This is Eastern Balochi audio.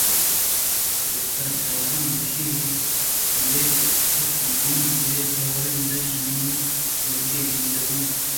بُرز ءَ چاران ءَ گوٛشت ئے ہمے درٛچک ءِ سرا من بے درور ءُ مزن شانیں مُرگے گندگاہاں